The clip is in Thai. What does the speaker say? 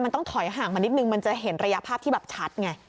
มันต้องถอยห่างมานิดนึงมันจะเห็นระยะภาพที่แบบชัดไง